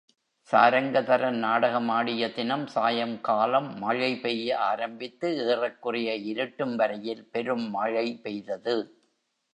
சாரங்கதரன் நாடகமாடிய தினம் சாயங்காலம் மழை பெய்ய ஆரம்பித்து ஏறக்குறைய இருட்டும் வரையில் பெரும் மழை பெய்தது.